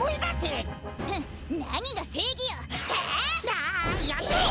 あやめろ！